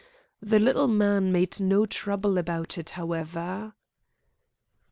The little man made no trouble about it, however.